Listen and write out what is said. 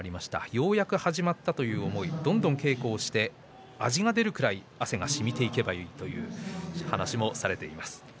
ようやく始まったというどんどん稽古して味が出るぐらい汗がしみていけばいいという話をされていました。